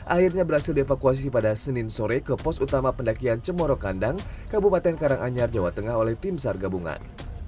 akhirnya berhasil dievakuasi pada senin sore ke pos utama pendakian cemoro kandang kabupaten karanganyar jawa tengah oleh tim sar gabungan